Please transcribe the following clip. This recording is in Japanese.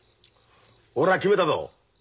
俺は決めたぞ。